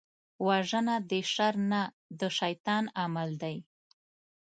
وژنه د شر نه، د شيطان عمل دی